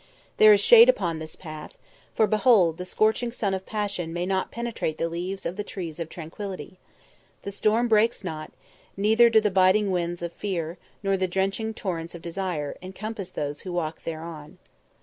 There is shade upon this path, for, behold, the scorching sun of passion may not penetrate the leaves of the trees of tranquillity; the storm breaks not, neither do the biting winds of fear, nor the drenching torrents of desire, encompass those who walk thereon.